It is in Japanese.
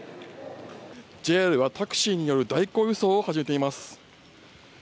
ＪＲはタクシーによる代行輸送を始めています。